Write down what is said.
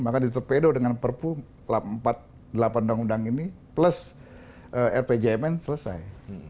maka diterpedo dengan perpu empat puluh delapan undang undang ini plus rpjmn selesai